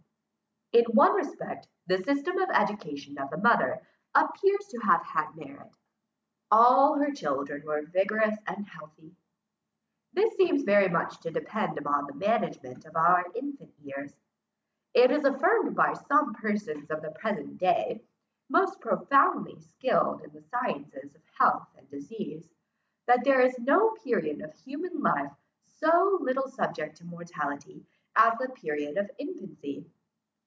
In one respect, the system of education of the mother appears to have had merit. All her children were vigorous and healthy. This seems very much to depend upon the management of our infant years. It is affirmed by some persons of the present day, most profoundly skilled in the sciences of health and disease, that there is no period of human life so little subject to mortality, as the period of infancy.